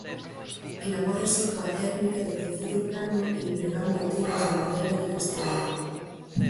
Elabórase coa técnica de tecido plano empregando tiras de madeira de castiñeiro.